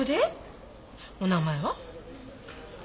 お名前は？